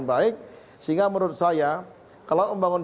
baik sehingga menurut saya kalau membangun